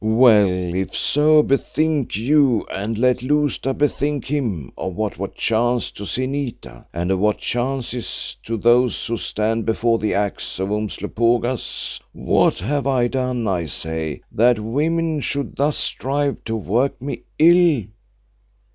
Well, if so, bethink you and let Lousta bethink him of what chanced to Zinita, and of what chances to those who stand before the axe of Umslopogaas. What have I done, I say, that women should thus strive to work me ill?"